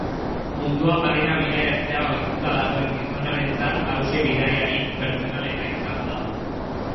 Munduan barrena bidaiatzea ohituta dagoen gizonarentzat hauxe bidaiarik pertsonalena izan da.